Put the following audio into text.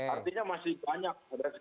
artinya masih banyak